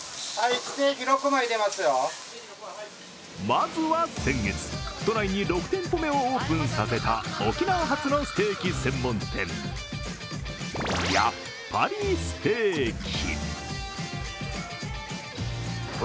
まずは先月、都内に６店舗目をオープンさせた沖縄発のステーキ専門店やっぱりステーキ。